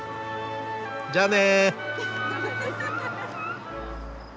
じゃあね。